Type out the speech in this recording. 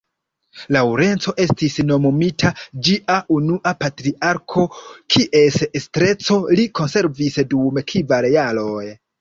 Laŭrenco estis nomumita ĝia unua patriarko kies estreco li konservis dum kvar jaroj.